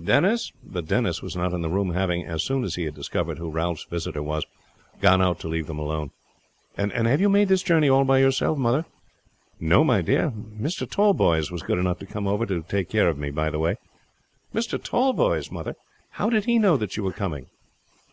Denis!" But Denis was not in the room, having, as soon as he had discovered who Ralph's visitor was, gone out to leave them alone. "And have you made this journey all by yourself, mother?" "No, my dear. Mr. Tallboys was good enough to come over to take care of me by the way." "Mr. Tallboys, mother! How did he know that you were coming?"